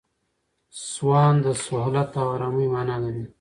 سوان د سهولت او آرامۍ مانا لري.